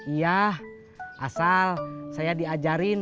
iya asal saya diajarin